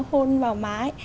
hôn vào má ấy